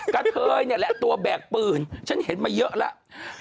กระเทยนี่แหละตัวแบกปืนฉันเห็นมาเยอะแล้ว